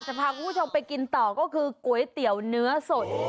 พาคุณผู้ชมไปกินต่อก็คือก๋วยเตี๋ยวเนื้อสด